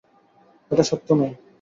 এটা সত্য নয়।